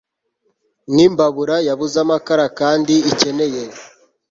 nkimbabura yabuze amakara kandi ikeneye